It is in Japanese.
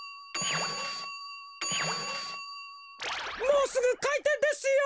もうすぐかいてんですよ！